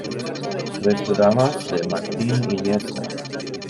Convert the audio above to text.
Tres dramas de Martín Iniesta.